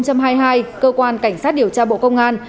cơ quan cảnh sát điều tra bộ công an